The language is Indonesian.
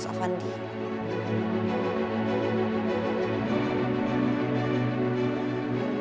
bener apa yang diceritakan sama mbak ufanda